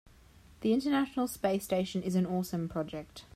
The international space station is an awesome project.